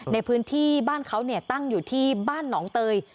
ในพื้นที่บ้านเขาตั้งอยู่ที่บ้านหนองเตย